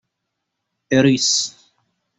اِریس